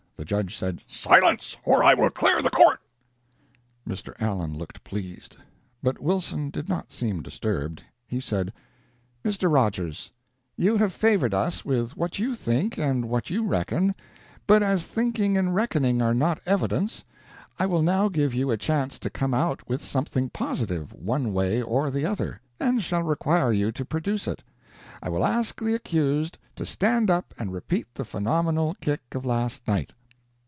The judge said: "Silence! or I will clear the court." Mr. Allen looked pleased, but Wilson did not seem disturbed. He said: "Mr. Rogers, you have favored us with what you think and what you reckon, but as thinking and reckoning are not evidence, I will now give you a chance to come out with something positive, one way or the other, and shall require you to produce it. I will ask the accused to stand up and repeat the phenomenal kick of last night."